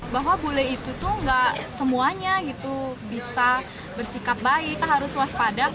bahwa bule itu tuh gak semuanya gitu bisa bersikap baik harus waspada